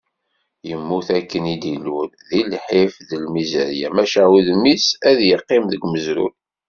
Yemmut akken i d-ilul, di lḥif d lmizirya, maca udem-is ad yeqqim deg umezruy.